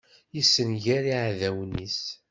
Yessenger iɛdawen-is.